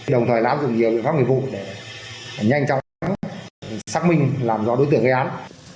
đồng thời áp dụng nhiều biện pháp nghiệp vụ để nhanh chóng xác minh làm rõ đối tượng gây án